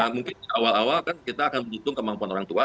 mungkin di awal awal kan kita akan menghitung kemampuan orang tua